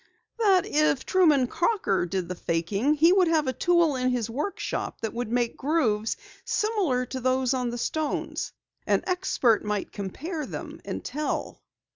"That if Truman Crocker did the faking he would have a tool in his workshop that would make grooves similar to those on the stones. An expert might compare them and tell."